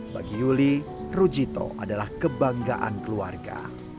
bagi yuli rujito adalah kebanggaan keluarga